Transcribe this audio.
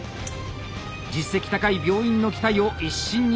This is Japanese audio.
実績高い病院の期待を一身に背負う池田。